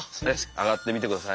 上がって見てください。